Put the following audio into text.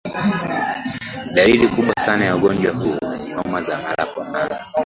dalili kubwa sana ya ugonjwa huo ni homa za mara kwa mara